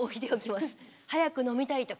早く飲みたい時。